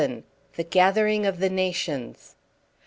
THE GATHERING OF THE NATIONS.